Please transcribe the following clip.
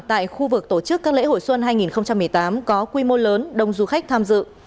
tại khu vực tổ chức các lễ hội xuân hai nghìn một mươi tám có quy mô lớn đông du khách tham dự